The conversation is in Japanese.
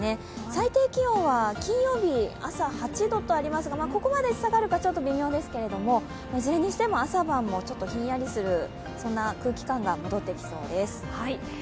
最低気温は金曜日、朝８度とありますが、ここまで下がるかちょっと微妙ですがいずれにしても朝晩もちょっとひんやりする、そんな空気感が戻ってきそうです。